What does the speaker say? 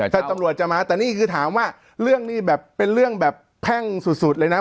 ถ้าตำรวจจะมาแต่นี่คือถามว่าเรื่องนี้แบบเป็นเรื่องแบบแพ่งสุดเลยนะ